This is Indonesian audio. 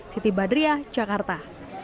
siti badriah jakarta